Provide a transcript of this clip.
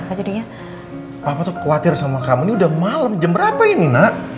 pak aku tuh khawatir sama kamu ini udah malam jam berapa ini nak